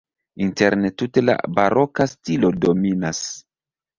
Interne tute la baroka stilo dominas.